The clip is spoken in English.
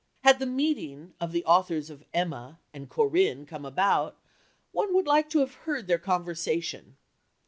Had the meeting of the authors of Emma and Corinne come about, one would like to have heard their conversation.